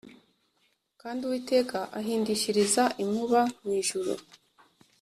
Kandi Uwiteka ahindishiriza inkuba mu ijuru